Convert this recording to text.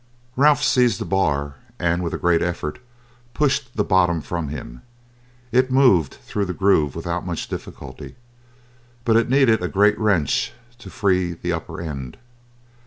Ralph seized the bar and with a great effort pushed the bottom from him. It moved through the groove without much difficulty, but it needed a great wrench to free the upper end.